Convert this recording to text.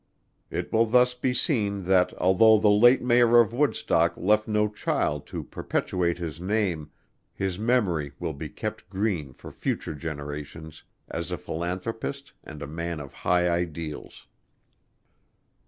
It will thus be seen that although the late Mayor of Woodstock left no child to perpetuate his name, his memory will be kept green for future generations as a philanthropist and a man of high ideals.